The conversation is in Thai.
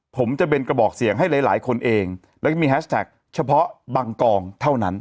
ผมจะเป็นกระบอกเสียงให้หลายหลายคนเองแล้วก็มีแฮชแท็กเฉพาะบางกองเท่านั้น